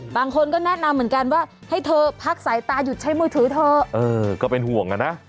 บางคนก็แนะนำเหมือนกันว่าให้เธอพักสายตาหยุดใช้มือถือเถอะเออก็เป็นห่วงอ่ะนะ